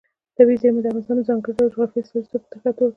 طبیعي زیرمې د افغانستان د ځانګړي ډول جغرافیې استازیتوب په ښه توګه کوي.